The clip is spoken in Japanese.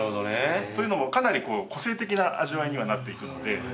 というのもかなり個性的な味わいにはなっていくので。